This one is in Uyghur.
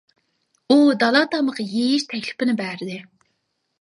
ئۇ دالا تامىقى يېيىش تەكلىپنى بەردى.